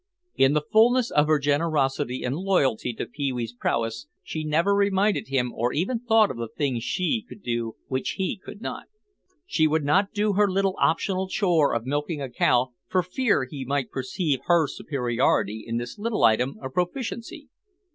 In the fullness of her generosity and loyalty to Pee wee's prowess she never reminded him or even thought of the things she could do which he could not. She would not do her little optional chore of milking a cow for fear he might perceive her superiority in this little item of proficiency.